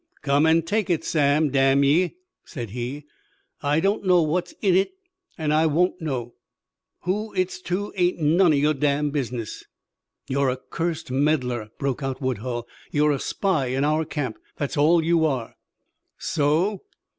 "Come an' take it, Sam, damn ye!" said he. "I don't know what's in hit, an' won't know. Who it's to ain't none o' yore damn business!" "You're a cursed meddler!" broke out Woodhull. "You're a spy in our camp, that's all you are!" "So!